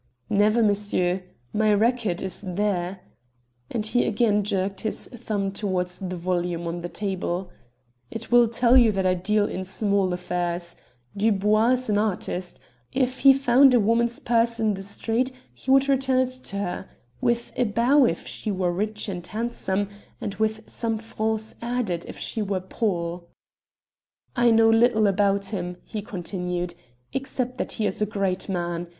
"Never, monsieur. My record is there." And he again jerked his thumb towards the volume on the table. "It will tell you that I deal in small affairs. Dubois is an artist. If he found a woman's purse in the street he would return it to her with a bow, if she were rich and handsome and with some francs added, if she were poor." "I know little about him," he continued, "except that he is a great man.